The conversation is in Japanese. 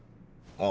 ああ。